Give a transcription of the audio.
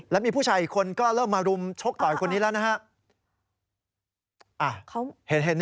แล้วมีผู้ชายอีกคนก็เริ่มมารุมชกต่อยคนนี้แล้วนะฮะ